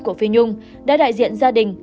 của phi nhung đã đại diện gia đình